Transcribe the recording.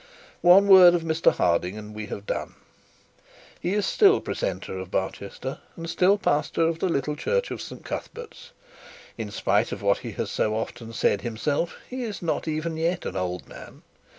One word of Mr Harding, and we have done. He is still Precentor of Barchester, and still pastor of the little church of St Cuthbert's. In spite of what he has so often said himself, he is not even yet an old man.